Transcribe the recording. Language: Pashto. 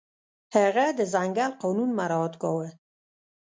هغه د ځنګل قانون مراعت کاوه.